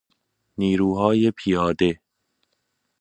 نیروهای پیاده